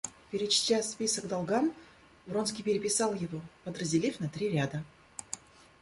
Перечтя список долгам, Вронский переписал его, подразделив на три разряда.